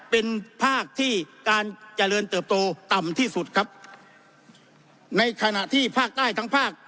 เป็นภาคที่การเจริญเติบโตต่ำที่สุดครับในขณะที่ภาคใต้ทั้งภาค